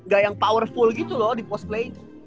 gak yang powerful gitu loh di postplay